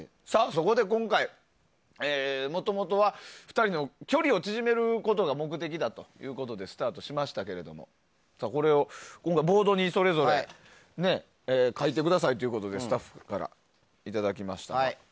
そこで今回、もともとは２人の距離を縮めることが目的だということでスタートしましたけど今回、ボードにそれぞれ書いてくださいということでスタッフからいただきました。